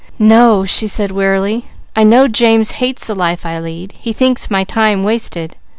"No," she said wearily. "I know James hates the life I lead; he thinks my time wasted.